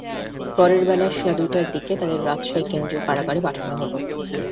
পরে বেলা সোয়া দুইটার দিকে তাঁদের রাজশাহী কেন্দ্রীয় কারাগারে পাঠানো হয়।